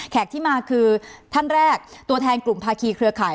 ที่มาคือท่านแรกตัวแทนกลุ่มภาคีเครือข่าย